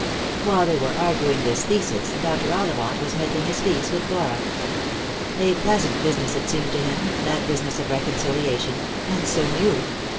While they were arguing this thesis, Dr. Ollivant was making his peace with Flora. A pleasant business it seemed to him, that business of reconciliation — and so new.